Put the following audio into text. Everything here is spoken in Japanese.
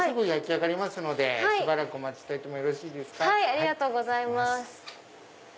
ありがとうございます。